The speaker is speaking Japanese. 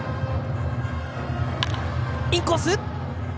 インコース。